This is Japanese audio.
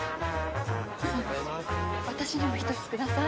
私にも１つください。